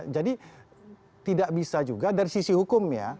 jadi tidak bisa juga dari sisi hukum ya